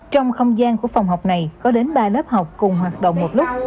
trong không gian của phòng học này có đến ba lớp học cùng hoạt động một lúc